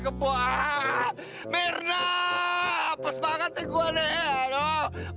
aduh apaan tuh ini